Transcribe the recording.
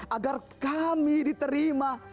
agar kami diterima